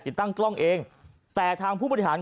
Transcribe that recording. ติดตั้งกล้องเองแต่ทางผู้บริหาร